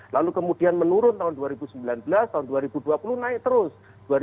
lalu kemudian menurun tahun dua ribu sembilan belas tahun dua ribu dua puluh naik terus